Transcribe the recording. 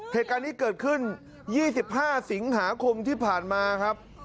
เหตุการณ์นี้เกิดขึ้น๒๕สิงหาคมที่ผ่านมาครับ